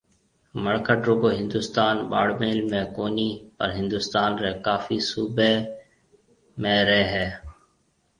مڙکٽ رُگو هندوستان ٻاݪميڙ ۾ ڪونِي پر هندوستان ري ڪاڦي صُوبَي رهيَ هيَ